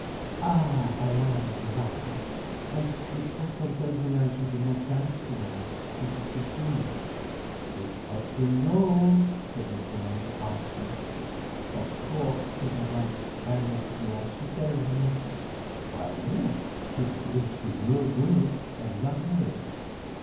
"Ah—I am glad. And Miss Houghton tells me I should not dance tomorrow, it is too soon." "Miss Houghton knows," said Mr. May archly. "Of course!" said Madame. "I must do as she tells me." "Why yes, since it is for your good, and not hers."